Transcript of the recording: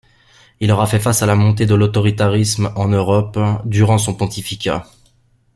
Il aura fait face à la montée de l'autoritarisme en Europe durant son pontificat.